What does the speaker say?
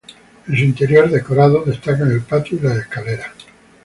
En su interior, decorados, destacan el patio y las escaleras.